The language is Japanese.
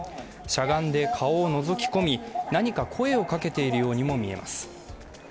しゃがんで顔をのぞき込み、何か声をかけているようにも見えます。